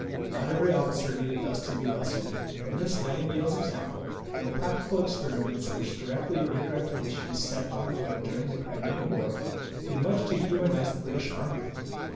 Not every officer needed thus to be lessoned, but Miss Nightingale's example, and the practical experiments which directly or indirectly she set on foot during the Crimean War, did much to humanize the British Army.